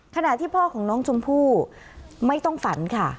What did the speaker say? ขณะที่พ่อของน้องชมพู่ไม่ต้องฝันค่ะ